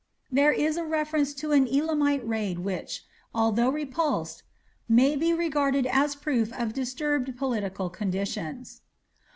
There is a reference to an Elamite raid which, although repulsed, may be regarded as proof of disturbed political conditions.